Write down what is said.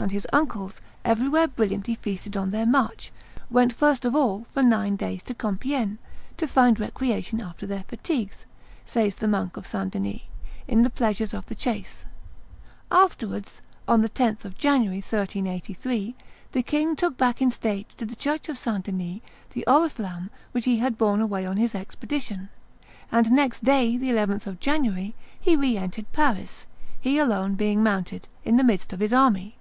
and his uncles, everywhere brilliantly feasted on their march, went first of all for nine days to Compiegne, "to find recreation after their fatigues," says the monk of St. Denis, "in the pleasures of the chase; afterwards, on the 10th of January, 1383, the king took back in state to the church of St. Denis the oriflamme which he had borne away on his expedition; and next day, the 11th of January, he re entered Paris, he alone being mounted, in the midst of his army."